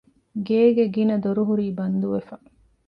ގޭގެ ގިނަ ދޮރު ހުރީ ބަންދުވެފަ